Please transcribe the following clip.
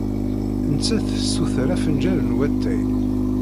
Nettat tessuter afenjal n watay.